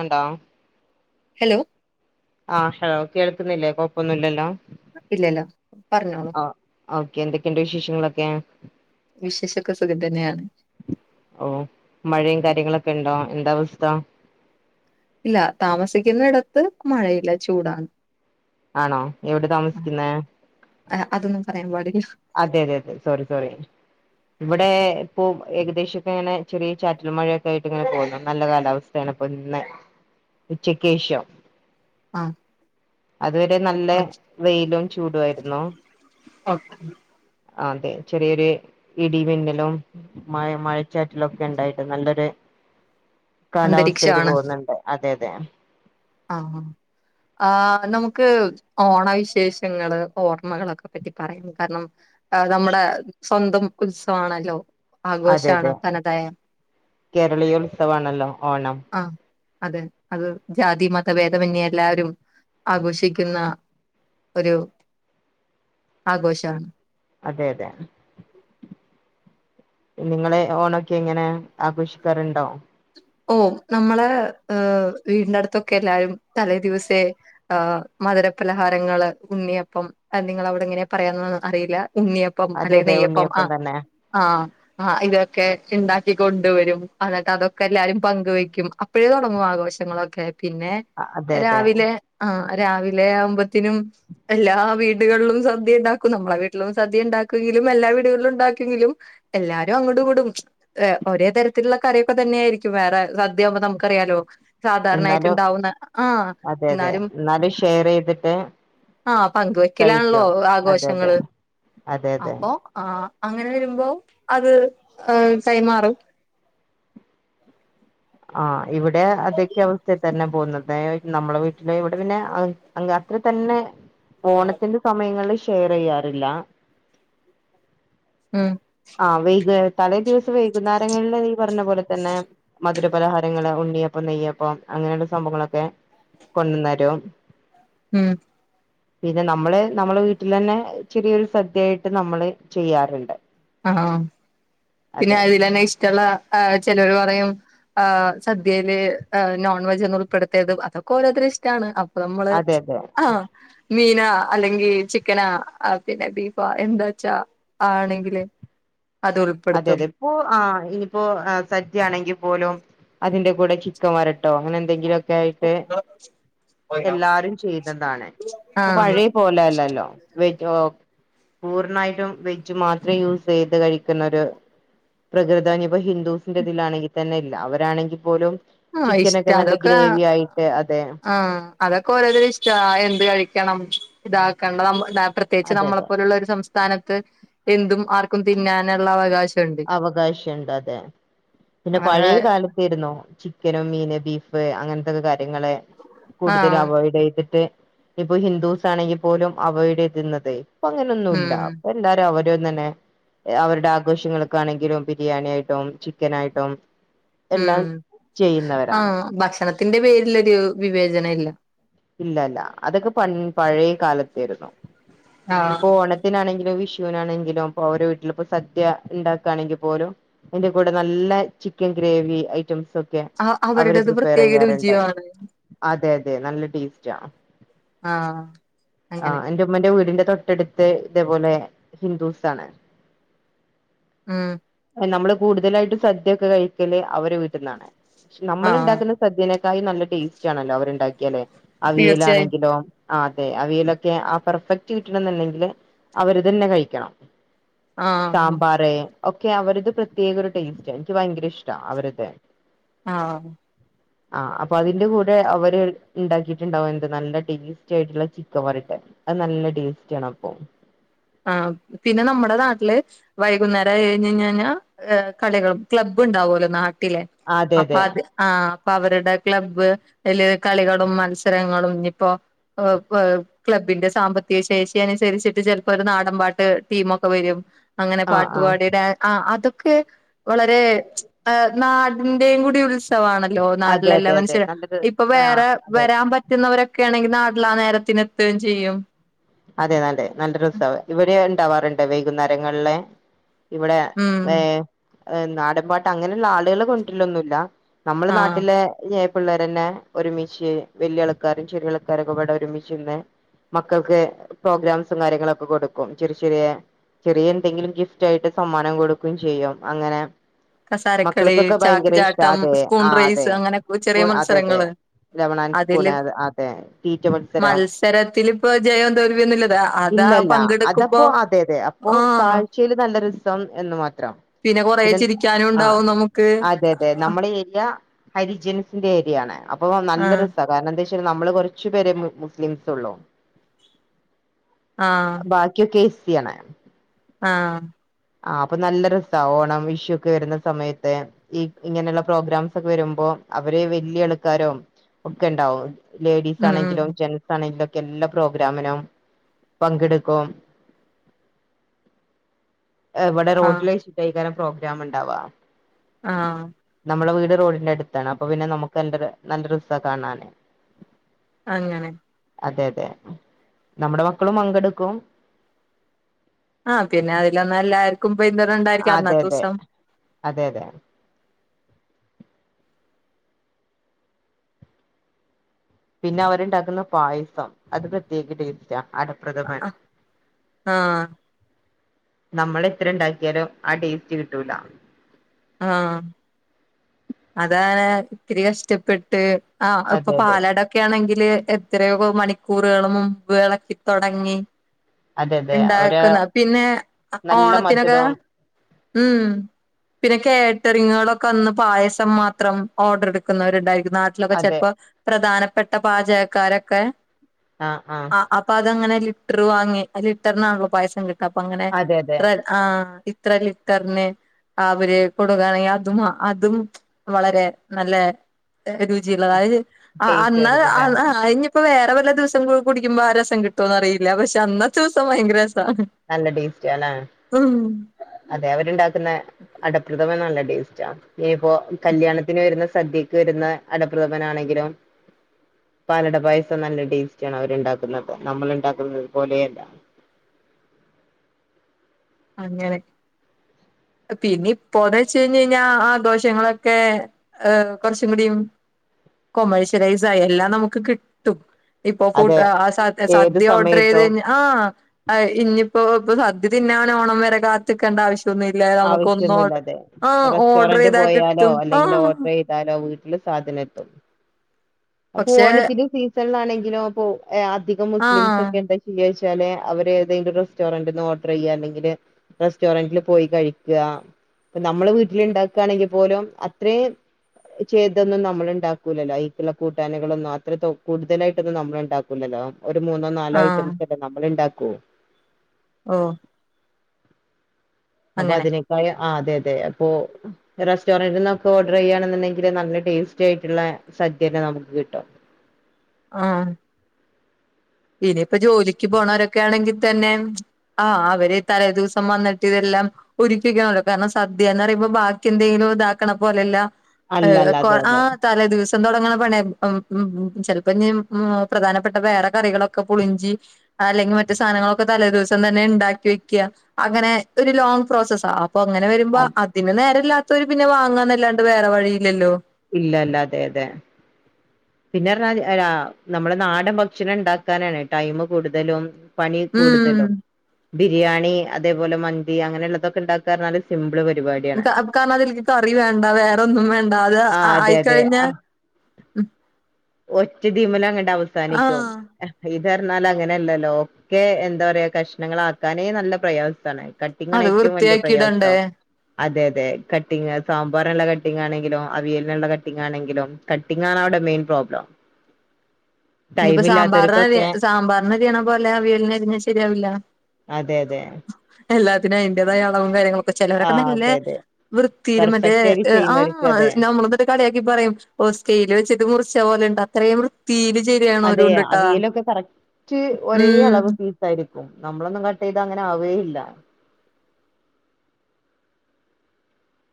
ഇണ്ടോ ഹലോ ആഹ് ഹലോ കേൾക്കുന്നില്ലേ കൊഴപ്പൊന്നുല്ലലോ ഇല്ലല്ല പറഞ്ഞോളൂ ആഹ് ഓക്കെ എന്തൊക്കെണ്ട് വിശേഷങ്ങളൊക്കെ വിശേഷക്കെ സുഖം തന്നെയാണ് ഓഹ് മഴയും കാര്യങ്ങളൊക്കെ ഇണ്ടോ എന്താ അവസ്ഥ ഇല്ല താമസിക്കുന്ന ഇടത്ത് മഴയില്ല ചൂടാണ് ആണോ എവിടെ താമസിക്കുന്നെ ആഹ് അതൊന്നും പറയാൻ പാടില്ല അതെ അതെ അതെ സോറി സോറി ഇവിടെ ഇപ്പോ ഏകദേശൊക്കെ ഇങ്ങനെ ചെറിയ ചാറ്റൽ മഴയൊക്കെ ആയിട്ട് ഇങ്ങനെ പോകുന്നു നല്ല കാലാവസ്ഥ തേണപ്പോ ഇന്ന് ഉച്ചക്കേഷം ആഹ് അതുവരെ നല്ല വെയിലും ചൂടുവായിരുന്നു ഓക്കെ ആഹ് അതെ ചെറിയൊരു ഇടി, മിന്നലും മഴ മഴച്ചാറ്റലൊക്കെ ഇണ്ടായിട്ട് നല്ലൊര് കാലാവസ്ഥയിയില് അന്തരീക്ഷാണ് പോകുന്നുണ്ട് അതെ അതെ ആഹ് ആഹ് നമുക്ക് ഓണ വിശേഷങ്ങള് ഓർമ്മകളൊക്കെ പറ്റി പറയാം കാരണം നമ്മുടെ സ്വന്തം ഉത്സവാണല്ലോ അതെ ആഘോഷാണ് അതെ തനതായ കേരളീയോത്സവാണല്ലോ ഓണം ആഹ അതെ അത് ജാതി മതഭേദമന്യേ എല്ലാരും ആഘോഷിക്കുന്ന ഒരു ആഘോഷാണ് അതെ അതെ നിങ്ങള് ഓണൊക്കെ എങ്ങനെ ആഘോഷിക്കാറുണ്ടോ ഓ നമ്മള് ഹ് വീടിന്റെടുത്തൊക്കെ എല്ലാരും തലേ ദിവസേ ആഹ് മധുരപ്പലഹാരങ്ങള് ഉണ്ണിയപ്പം നിങ്ങളവിടെ എങ്ങനെ പറയാന്നൊന്നും അറിയില്ല ഉണ്ണിയപ്പം അതെ അല്ലെങ്കിൽ അതെ നെയ്യപ്പം ആ ഉണ്ണിയപ്പം തന്നെ ആ ആ ഇതൊക്കെ ഇണ്ടാക്കി കൊണ്ടുവരും എന്നേറ്റ് അതൊക്കെ എല്ലാരും പങ്ക് വെക്കും അപ്പഴേ തുടങ്ങും ആഘോഷങ്ങളൊക്കെ പിന്നെ അതെ അതെ രാവിലെ ആഹ രാവിലെ ആവുമ്പോത്തിനും എല്ലാ വീടുകളിലും സദ്യ ഉണ്ടാക്കും നമ്മളെ വീട്ടിലും സദ്യ ഉണ്ടാക്കെങ്കിലും എല്ലാ വീടുകളിലും ഉണ്ടാക്കെങ്കിലും എല്ലാരും അങ്ങോട്ടും ഇങ്ങോട്ടും ഓരേ തരത്തിലുള്ള കറിയൊക്കെ തന്നെയായിരിക്കും വേറെ സദ്യ ആവു മ്പോ നമുക്കറിയാലോ സാധാരണായിട്ട് എന്നാലും ഉണ്ടാവുന്ന ആ അതെ അതെ ന്നാലും എന്നാലും ഷെയർ ചെയ്തിട്ട് ആ പങ്കുവെക്കലാണല്ലോ ആഘോഷങ്ങള് അതെതെ അപ്പോ ആ അങ്ങനെ വരുമ്പോ അത് കൈമാറും ആ ഇവിടെ അതൊക്കെ അവസ്ഥയിൽ തന്നെ പോവുന്നത് തേ നമ്മളെ വീട്ടില് ഇവിടെ പിന്നെ അങ്ങ് അത്ര തന്നെ ഓണത്തിന്റെ സമയങ്ങളിൽ ഷെയർ ചെയ്യാറില്ല ഉം ആ വൈക തലേ ദിവസം വൈകുന്നേരങ്ങളിൽ ഈ പറഞ്ഞ പോലെ തന്നെ മധുര പലഹാരങ്ങള് ഉണ്ണിയപ്പം നെയ്യപ്പം അങ്ങനെയുള്ള സംഭവങ്ങളൊക്കെ കൊണ്ടന്നരും ഉം പിന്നെ നമ്മള് നമ്മളെ വീട്ടിലെന്നെ ചെറിയൊരു സദ്യയായിട്ട് നമ്മള് ചെയ്യാറുണ്ട് ആ ണോ പിന്നെ അതെ അതിൽന്നെ ഇഷ്ടമുള്ള ചെലൊർ പറയും ആഹ് സദ്യയില് നോൺ വെജെന്നും ഉൾപ്പെടുത്തിയത് അതൊക്കെ ഓരോരുത്തരുടെ ഇഷ്ടാണ് അപ്പോ നമ്മള് അതെ അതെ ആഹ് മീനോ അല്ലെങ്കിൽ ചിക്കനാ പിന്നെ ബീഫാ എന്താച്ചാ ആണെങ്കില് അത് അതെ ഉൾപ്പെടുത്തും അതെ ഇപ്പോ ആഇനിയിപ്പോ സദ്യ ആണെങ്കിൽ പോലും അതിന്റെ കൂടെ ചിക്കൻ വരട്ടോ അങ്ങനെ എന്തെങ്കിലും ക്കെയായിട്ട് എല്ലാരും ചെയ്യുന്നതാണ് ഇപ്പൊ ആഹ് പഴയേ പോലല്ലല്ലോ വെജ് പൂർണ്ണായിട്ടും വെജ് മാത്രേ യൂസ് ചെയ്ത് കഴി ക്കു ന്നരു ഒരു പ്രകൃതാ ഹിന്ദുസിന്റെ ഇതിലാണെങ്കിൽ തന്നെ ഇല്ല അവരാണെങ്കിൽ പോലും ആഹ് ചിക്കനനൊഒക്കെ നല്ല ഗ്രേവി ആയിട്ട് അതെ ആ അതൊക്കെ ഓരോരുത്തരുടെ ഇഷ്ടാ എന്ത് കഴിക്കണം ഇതാക്കേണ്ടനമ്മ പ്രത്യേകിച്ച് അതെ നമ്മളെ അതെ പോലുള്ള ഒരു സംസ്ഥ സ്ഥാനത്ത് എന്തും ആർക്കും തിന്നാനുള്ള അവകാശം അവകാശുണ്ട് അതെ പിന്നെ പഴയ ആഹ് കാലത്തുണ്ടായിരുന്നു ചിക്കരോ മീന് ബീഫ് അങ്ങനത്തക്കെ കാര്യങ്ങള് കൂടുതൽ ആഹ് അവോയ്ഡ് ചെയ്തിട്ട് ഇപ്പൊ ഹിന്ദുസ് ആണെങ്കിൽ പോലും അവോയ്ഡ് എഴതുന്നത് ഇപ്പ അങ്ങനൊന്നുമല്ല ഉം എന്തും അവരോ തന്നെ അവരുടെ ആഘോഷങ്ങളക്ക നാണെങ്കിലും ബിരിയാണി ആയിട്ടും ചിക്കൻ ആായിട്ടോും ഉം ആഹ് ഭക്ഷണത്തിന്റെ പേരിലൊരു വിവേചനം ഇല്ല ഇല്ലല്ല അതൊക്കെ പ പഴയ കാലത്തേരുന്നു ഇപ്പൊ ആ ഓണ ഓണത്തിനാണെങ്കിലും വിഷുനാണെങ്കിലും ഓരോ വീട്ടിലിപ്പോ സദ്യ ഇണ്ടാക്കാണെങ്കിൽ പോലും എന്റെ കൂടെ നല്ല ചിക്കൻ ഗ്രേവി ഐറ്റംസ് അവര് അവരുടേത് പ്രിപ്പയർ പ്രത്യേക ചെയ്യാറ്ണ്ട് രുചിയാണ് അതെ അതെ നല്ല ടേസ്റ്റ് ആഹ് ആഹ് അങ്ങനെ എന്റെ അമ്മന്റെ വീടിന്റെ തൊട്ടടുത്ത് ഇതേപോലെ ഹിന്ദൂസ് ആണ് ഉം നമ്മള് കൂടുതലായിട്ടും സദ്യൊക്കെ കഴിക്കല് അവരെ വീട്ടിന്നാണ് പക്ഷെ നമ്മൾ ആഹ് ഇണ്ടാക്കുന്ന സദ്യനെക്കായി നല്ല ടേസ്റ്റ് ആണല്ലോ അവരുണ്ടാക്കിയാലെ തീർച്ചയായും അവിയലാണെങ്കിലോ ആഹ് അതെ അവിയലൊക്കെ ആ പെർഫെക്റ്റ് കിട്ടണംന്നുണ്ടെങ്കില് അവര് തന്നെ കഴിക്കണം ആഹ് സാമ്പാറ് ഒക്കെ അവരുത് പ്രത്യേക ഒരു ടേസ്റ്റ് എനിക്ക് ഭയങ്കര ഇഷ്ട അവരുത് ആഹ് ആ അപ്പൊ അതിന്റെ കൂടെ അവര് ഇണ്ടാക്കിട്ട ണ്ട എന്ത് നല്ല ടേസ്റ്റ ആയിട്ടുള്ള ചിക്ക വരട്ടെ അത് നല്ല ടേസ്റ്റ് ആണ് അപ്പൊ ആഹ് പിന്നെ നമ്മുടെ നാട്ടില് വൈകുന്നേരം ആയി കഴിഞ്ഞ് കഴിഞ്ഞാൽ കളികളും ക്ലബ്ബ് ഉണ്ടാവുല്ലോ നാട്ടിലെ അതെ അപ്പൊ അതെ അത് ആഹ അപ്പൊ അവരുടെ ക്ലബ്ബ് അയില് കളികളും മത്സരങ്ങളും ഇനി ഇപ്പൊ ക്ലബ്ബിന്റെ സാമ്പത്തിക ശേഷി അനുസരിച്ചിട്ട് ച ഇപ്പൊ ഒരു നാടൻ പാട്ട് ടീമൊക്കെ വരും അങ്ങനെ ആ ആ പാട്ടുപാടി ഡാ ആ അതൊക്കെ വളരെ നാടിന്റെയും കൂടി ഉല് ആണല്ലോ അതെ നാട്ടിലെല്ലാ അതെ അതെ മനുഷ്യര് നല്ലൊരു ഇപ്പൊ ആ വേറെ അതെ വരാൻ പറ്റ എത്തുന്നവരൊക്കെ ആണെങ്കിൽ നാട്ടിൽ ആ നേരത്തിന് എത്തും ചെയ്യും അതെ നല്ലെ നല്ലൊരു ഉസവ് ഇവിടെ ഇണ്ടാവാറുണ്ട് വൈകുന്നേരങ്ങളില് ഇവിടെ ഉം ഏഹ് നാടൻപാട്ട് അങ്ങനെയുള്ള ആളുകളെ കൊണ്ടരൊലൊന്നുംല്ല നമ്മളെ ആഹ് നാട്ടിലെ പിള്ളേരെന്നെ ഒരുമിച്ച് വലിയ ആൾക്കാരും ചെറിയ ആൾക്കാരും ഒക്കെപാടെ ഒരുമിച്ച് നിന്ന് മക്കക്ക് പ്രോഗ്രാംസും കാര്യങ്ങളൊക്കെ കൊടുക്കും ചെറിയ ചെറിയ ചെറിയ എന്തെങ്കിലും ഗിഫ്റ്റ് ആയിട്ട് സമ്മാനം കൊടുക്കുകയും ചെയ്യും അങ്ങനെ കസാരക്കളി മക്കൾക്കൊക്കെ ചാക്ക് ഭയങ്കര ഇഷ്ട ചാട്ടം അതെ സ്പൂൺ ആഹ് അതെ റേസ് അങ്ങനെ ചെറിയ അതെ അതെ മത്സരങ്ങള് ലമണ് ആൻഡ് അതില് സ്പൂണ് അതെ തീറ്റ മത്സരം രത്തിലിപ്പോ ജയം തോൽവിയൊന്നും ഇല്ല ഇതാ ഇല്ലല്ല അതപ്പൊ അതെ അതെ അപ്പൊ ആഹ് കാഴ്ചയില് നല്ല രസം എന്ന് മാത്രം പിന്നെ കുറേ ചിരിക്ക ആ അതെ അതെ നമ്മളെ ഈ ഏരിയ ഹരിജൻസിന്റെ ഏരിയ ആണ് അപ്പൊ നല്ല ആഹ് രസാണ് കാരണം എന്താ വെച്ചാൽ നമ്മള് കുറച്ചു പേരെ മുസ്ലിംസ് ഉള്ളൂ ആഹ ബാക്കിയൊക്കെ എസ് സി ആണ് ആഹ ആഹ അപ്പൊ നല്ല രസാ ഓണം വിഷു ഒക്കെ വരുന്ന സമയത്ത് ഈ ഇങ്ങനെയുള്ള പ്രോഗ്രാംസ് ഒക്കെ വരുമ്പോ അവര് വല്യ ആൾക്കാരും ഒക്കെ ഇണ്ടാവും ലേഡീസ് ഉം ആണെങ്കിലും ഉം ജെന്സ് ആണെങ്കിലും ഒക്കെ എല്ലാ പ്രോഗ്രാമിനും പങ്കെടുക്കും ഇവിടെ ആഹ് റോഡില് വച്ചിട്ടേക്കാരം പ്രോഗ്രാം ഇണ്ടാവാ ആഹ് നമ്മളെ വീട് റോഡിന്റെ അട്ത്താണ് അപ്പൊ പിനെ ന്നമ്ക്കെണ്ടെരെ നല്ല രസാ കാണാന്. അങ്ങനെ അതെ അതെ, നമ്മടെ മക്കളും പങ്കെടുക്കും. ആ പിനെ അയ്ലും ന്നല്ലര്- ക്കും പെയ്ന്റെ റണ്ടെ- ആ അതെ അതെ, അതെ ലെ പിനഅവര്ണ്ടാക്ക്‌ന്ന പായസം അത് പ്രത്യേക ട്ടേസ്റ്റാ അട- പ്രഥമൻ ആഹ് നമ്മള് എത്രണ്ടാക്കിയാലും ആ ട്ടേസ്റ്റ് കിട്ടൂല. ആ അതാആ ഇത്തിരി കഷ്ടപ്പെട്ട് ആ അതെ ഇപ്പൊ അതെ പാലടൊ- ക്കെണെങ്കില് എത്രയൊക്കോ മണിക്കൂറുകൾ മുബ് എളക്കി തൊടങ്ങി. അതെ അതെ അവര് ഇണ്ടാക്ക്‌ണ് പിനെ നല്ല ഓണത്തിനൊക്കെ മധുരം ഉം. പിന്നെ കേട്ടറിങ്ങേളൊക്കന്ന് പായസം മാത്രം ഓഡ്രെടുക്കുന്നവര് ഇണ്ടായിരിക്കും ന്നാട്ട്- ട്ടിലൊക്കെ അതെ ചെൽപ്പോ പ്രധാനപ്പെട്ട പാചകക്കാരൊക്കെ. അ ആ പ്പതങ്ങനെ ലിറ്റ്റ് വാങ്ങി അലിറ്റർനാണല്ലോ പായസം കിട്ട അപ്പങ്ങനെ അതെ അതെ ഇത്ര ആ- ഇത്ര ലിറ്റർന്. അവര് കൊടുകണെങ്കി അതും അതും വളരെ ന്നല്ലെ- എ രുചിള്ളത അ ടേസ്റ്റ് അന്ന് ആയിരിക്കും അല്ലേ അന്ന് അയിഞ്- പ്പൊ വേറെ വല്ല ദിവസം കുടിക്കുമ്പോ ആ രസം കിട്ടോന്നറിയില്ല പക്ഷെ അന്നത്തുസം ഭയങ്കര രസാ. നല്ല ടേസ്റ്റേളാ അതെ അവര്ണ്ടാക്ക്‌ന്ന- അടപ്രഥമൻ നല്ല ടേസ്റ്റാ. ഇനിപ്പോ കല്യാണത്തിന് വെരുന്ന സദ്യക്ക് വെരുന്ന അടപ്രഥമനാണെങ്കിലും. പാലട പായസം നല്ല ടേസ്റ്റാണ് അവര്ണ്ടാക്ക്‌ന്നത് നമ്മള്ണ്ടാക്കുന്നത് പോലേയല്ല. അങ്ങനെ പിനിപ്പോന്നെച്ചയ്ഞയ്ഞ്ഞാ ആഘോഷങ്ങളൊക്കെ ഏഹ് കൊറച്ചുംകുടിം കോമേഴ്ഷലൈസായി എല്ലാം നമുക്ക് കിട്ടും. ഇപ്പൊ അതെ കൂട്ടാ ആ ഏത് സദ്യ ഓർഡ്രൈയ്ത് സമയത്തും കയ്ഞ്ഞാ- ആ അ ഇഞ്ഞിപ്പോ ഇപ്പ സദ്യ തിനാനോണം വെരെ കാത്ത്ക്കണ്ടാവശ്യ- ഇതൊന്നുല്ലാ നമുക്കൊന്നോട ആവശ്യൊന്നുല്ലാതെ ആ ഓഡ്രയ്താ കിട്ടും ആഹ് ന്താലൊ വീട്ട്ല് സാധനം എത്തും അപ്പൊ പക്ഷെ ഓണത്തിന് സീസൺലാണെങ്കിലോ പോവു- ഏ അധികം ആഹ് മുസ്ലിംസൊക്കെന്ത ചെ- യ്യാച്ചാല് അവര് ഏതെങ്കിലും റെസ്റ്റോറന്റ്ന്ന് ഓഡ്രയ്യാ അല്ലെങ്കില് റെസ്റ്റോറന്റില് പോയി കഴി- ക്കാ ഇപ്പ നമ്മള വീട്ടില്ണ്ടാക്കാണെങ്കി പോലും അത്രേം ച്ചെ ഇതൊന്നും നമ്മള്ണ്ടാക്കൂലല്ലൊ, അയ്ക്ക്ള്ള കൂട്ടാന്കളൊന്നും അത്ര തൊ കൂടുതലായിട്ടൊന്നും നമ്മള്ണ്ടാക്കൂലല്ലോ. ഒരു മൂന്നോ നാലോ ആഹ് ഐറ്റംസല്ലേ നമ്മള്ണ്ടാക്കു. ഓ അപ്പൊ അങ്ങനെ അതിനേക്കാളി ആ അതെ അതെ അപ്പൊ റെസ്റ്റോറന്റിന്നൊക്കെ ഓർഡ്രെയ്യാണെന്ന്‌ണ്ടെങ്കില് നല്ല ടേസ്റ്റായിട്ട്ള്ളെ സദ്യനെ ന്നമ്ക്ക് കിട്ടും. ആ ഹ് ഇനിയിപ്പ ജോലിക്ക് പോണോരൊക്കെയാണെങ്കി തെനെ ആ അവര് തലേ ദിവസം വന്നിട്ട് ഇതെല്ലാം. ഒരിക്കിക്കണല്ലോ കാരണം സദ്യന്നറയുമ്പോ ബാക്കി എന്തെങ്കിലും ഇതാക്കണ പോലല്ല. അല്ല അലെൽ അല്ല കൊ അതെ ആ അതെ ത് തലെ ദിവസം തൊടങ്ങ പണി പ്പം മ് മ് ചെലപ്പിഞ്ഞി പ്രധാനപ്പെട്ട വേറെ കറികളൊ- ക്കെ പുളിഞ്ചി അല്ലെങ്കിൽ മറ്റു സാധനങ്ങളൊക്കെ തലേ ദിവസം തന്നെണ്ടാക്കി വെക്യാ അങ്ങനെ ഒരു ലോങ് പ്രോസസ്സാ പ്പൊ ങ്ങനെ വരുമ്പോ ഇല്ല അതിന് നേരല്ലാത്തവര് പിന്നെ വാങ്ങാന്നല്ലാണ്ട് വേറെ വഴിയില്ലല്ലോ ഇല്ലല്ല അതെ അതെ പിന്നെർഞ്ഞാൽ നമ്മുടെ നാടൻ ഭക്ഷണണ്ടാക്കാനാണ് ടൈമ് കൂടുതലും പണി ഉം കൂടുതലും ബിരിയാണി അതേപോലെ മന്തി അങ്ങനെയുള്ളതൊക്കെ ഇണ്ട ഞ്ഞല് സിമ്പിള് പരിപാടിയാണ് കാരണം അതിലേക്ക് കറി വേണ്ട വേറൊന്നും വേണ്ട അത് ആഹ് അതെ അതെ ആയിക്കഴിഞ്ഞ ഒറ്റ ടീമിന അങ്ങട്ട വസാനിക്കും ആഹ് ഇത്റിഞ്ഞാൽ അങ്ങനെയല്ലല്ലോ ഒക്കെ എന്താ പറയാ കഷ്ണങ്ങളാക്കാനേ നല്ല പ്രയാസാണ് കട്ടിങ്ങാണ് അത് ഏറ്റവും വലിയ വൃത്തിയാക്കിയിടണ്ടേ പ്രയാസം അതെ അതെ കട്ടിങ് സാമ്പാറിനുള്ള കട്ടിംങ്ങാണെങ്കിലും അവിയലിനുള്ള കട്ടിംങ്ങാണെങ്കിലും കട്ടിങ്ങണവിടെ മെയിൻ പ്രോബ്ലം ഇനിപ്പോ ടൈം സാമ്പാറിന ഇല്ലാത്തവർക്കൊക്കെ സാമ്പാറിനരിയണ പോലെ അവിയലിന് അരിഞ്ഞാ ശരിയാവില്ല അതെ അതെ എല്ലാത്തിനും അയിന്റെതായ അളവും കാര്യങ്ങളുംക്ക ആ ചെലവരൊക്കെ നല്ല അതെ അതെ വൃത്തിയിലും മറ്റേ പെർഫെക്റ്റ് ആയിട്ട് ചെയ്യുന്നവർക്ക് ആഹ് അതെ നമ്മള കളിയാക്കി പറയും ഓഹ് സ്കെല് വെച്ചട്ട് മുറിച്ച പോലെണ്ട് അത്രയും വൃത്തീല് ചെയ് അതെ അവിയലൊക്കെ കറക്റ്റ് ഒരേ ഉം അളവ് യിരിക്കും നമ്മളൊന്നും കട്ട് ചെയ്ത് അങ്ങനെ ആവുകേയില്ല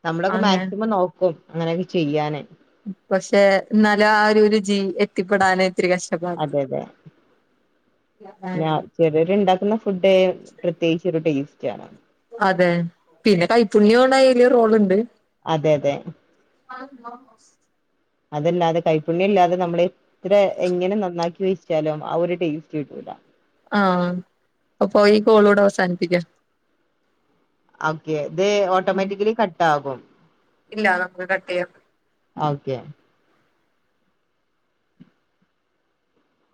നമ്മളൊക്കെ അങ്ങനെ മാക്സിമം നോക്കും അങ്ങനെയൊക്കെ ചെയ്യാന് പക്ഷെ ന്നാലും ആ ഒരു ജീ എത്തിപ്പെടാന് ഇത്തിരി കഷ്ടം അതെ അതെ ഞാ ചെലേരുണ്ടാക്കുന്ന ഫുഡ് പ്രത്യേകിച്ച് ഒരു ടേസ്റ്റാ അതെ പിന്നെ കൈപ്പുണ്യോണ അയിന് റോളുണ്ട് അതെ അതെ ആഹ് ആഹ് അതല്ലാതെ കൈപ്പുണ്യല്ലാതെ നമ്മള് ഇത്ര എങ്ങനെ നന്നാക്കി വെച്ചാലും ആ ഒരു ടേസ്റ്റ് കിട്ടൂല ആഹ് അപ്പോ ഈ കോള്വ്ടെ അവസാനിപ്പിക്കാം ഓക്കെ ഇത് ഓട്ടോമാറ്റിക്കലി കട്ടാവും ഇല്ല നമ്മള് കട്ട് ചെയ്യണം ആഹ് ഓക്കെ